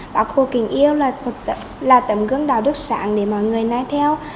bảo khô kính yêu là tầm gương đạo đức sẵn để mọi người nai theo